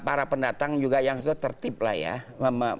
para pendatang juga yang tertip lah ya